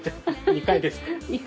２回です。